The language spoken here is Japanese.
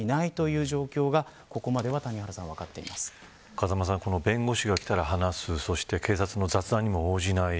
風間さん弁護士が来たら話すそして警察の雑談にも応じない。